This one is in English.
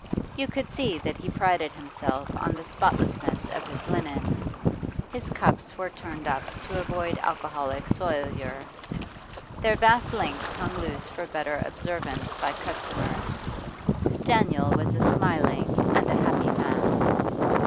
You could see that he prided himself on the spotlessness of his linen; his cuffs were turned up to avoid alcoholic soilure; their vast links hung loose for better observance by customers. Daniel was a smiling and a happy man.